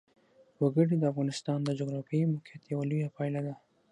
وګړي د افغانستان د جغرافیایي موقیعت یوه لویه پایله ده.